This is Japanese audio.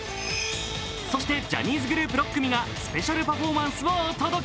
ジャニーズグループ６組がスペシャルパフォーマンスをお届け。